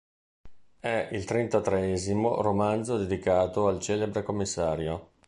È il trentatreesimo romanzo dedicato al celebre commissario.